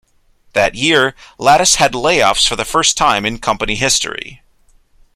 That year, Lattice had layoffs for the first time in company history.